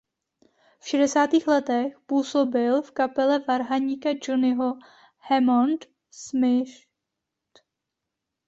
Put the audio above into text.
V šedesátých letech působil v kapele varhaníka Johnnyho „Hammond“ Smithe.